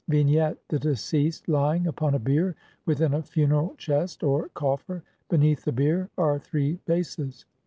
] Vignette : The deceased lying upon a bier within a funeral chest or coffer ; beneath the bier are three vases.